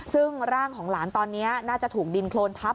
ซึ่งร่างของหลานตอนนี้น่าจะถูกดินโครนทับ